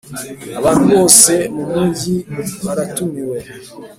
abantu bose mumujyi baratumiwe